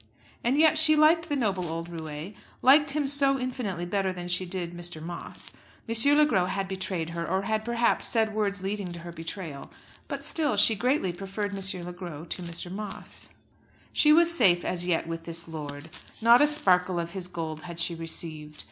And yet she liked the noble old roué liked him so infinitely better than she did Mr. Moss. M. Le Gros had betrayed her, or had, perhaps, said words leading to her betrayal; but still she greatly preferred M. Le Gros to Mr. Moss. She was safe as yet with this lord. Not a sparkle of his gold had she received.